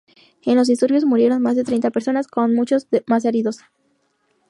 En los disturbios murieron más de treinta personas, con muchos más heridos.